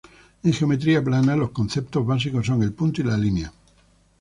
En geometría plana los conceptos básicos son el punto y la línea.